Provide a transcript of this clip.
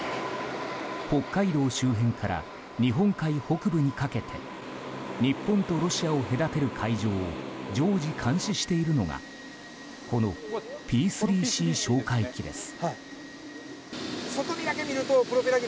北海道周辺から日本海北部にかけて日本とロシアを隔てる海上を常時監視しているのがこのＰ３Ｃ哨戒機です。